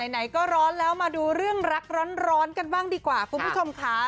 ไหนก็ร้อนแล้วมาดูเรื่องรักร้อนกันบ้างดีกว่าคุณผู้ชมค่ะ